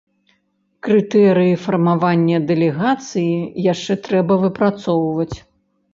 Крытэрыі фармавання дэлегацыі яшчэ трэба выпрацоўваць.